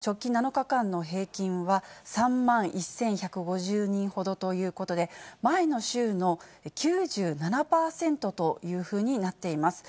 きのうまでの直近７日間の平均は３万１１５０人ほどということで、前の週の９７％というふうになっています。